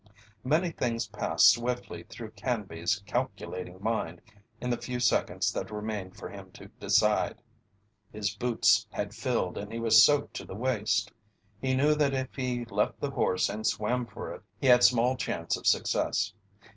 Many things passed swiftly through Canby's calculating mind in the few seconds that remained for him to decide. His boots had filled and he was soaked to the waist; he knew that if he left the horse and swam for it he had small chance of success.